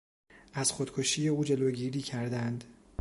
از خودکشی او جلوگیری کردند.